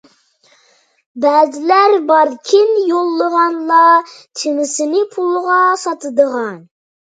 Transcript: بەزىلەر باركىن، يوللىغانلا تېمىسىنى پۇلغا ساتىدىغان.